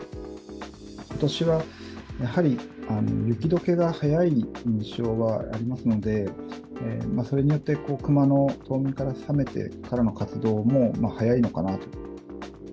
ことしはやはり、雪どけが早い印象がありますので、それによってクマの冬眠から覚めてからの活動も早いのかなと。